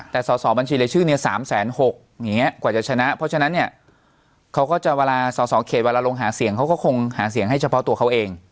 แต่สอสอบัญชีรายชื่อเนี่ย๓๖๐๐อย่างนี้กว่าจะชนะเพราะฉะนั้นเนี่ยเขาก็จะเวลาสอสอเขตเวลาลงหาเสียงเขาก็คงหาเสียงให้เฉพาะตัวเขาเอง